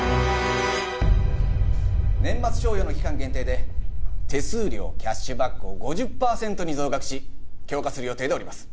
年末賞与の期間限定で手数料キャッシュバックを５０パーセントに増額し強化する予定でおります。